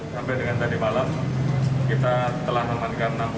sampai dengan tadi malam kita telah memainkan enam puluh